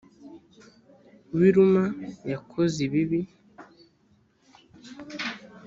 w i ruma yakoze ibibi